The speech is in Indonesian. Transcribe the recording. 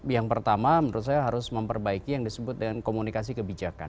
yang pertama menurut saya harus memperbaiki yang disebut dengan komunikasi kebijakan